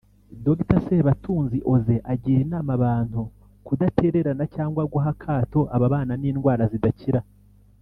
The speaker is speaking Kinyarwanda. Dr Sebatunzi Osee agira inama abantu kudatererana cyangwa guha akato ababana n’indwara zidakira